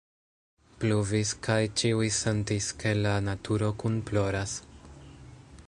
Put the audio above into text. Pluvis, kaj ĉiuj sentis, ke la naturo kunploras.